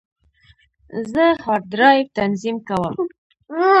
زه هارد ډرایو تنظیم کوم.